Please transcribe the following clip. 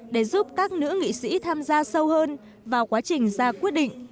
để giúp các nữ nghị sĩ tham gia sâu hơn vào quá trình ra quyết định